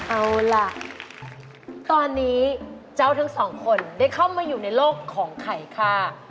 เอาล่ะตอนนี้เจ้าทั้งสองคนได้เข้ามาอยู่ในโลกของไข่ค่ะ